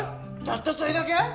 たったそれだけ！？